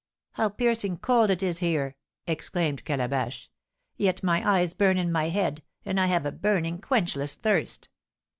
"How piercing cold it is here!" exclaimed Calabash; "yet my eyes burn in my head, and I have a burning, quenchless thirst!"